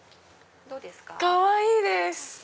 かわいいです！